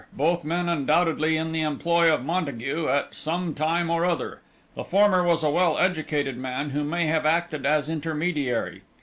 Both men undoubtedly in the employ of Montague, at some time or other. The former was a well educated man, who may have acted as intermediary.